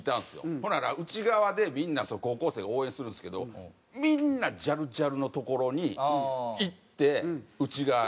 ほんなら内側でみんな高校生が応援するんですけどみんなジャルジャルの所に行って内側。